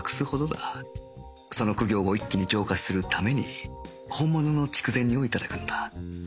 その苦行を一気に浄化するために本物の筑前煮を頂くのだ